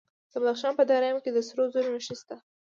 د بدخشان په درایم کې د سرو زرو نښې شته.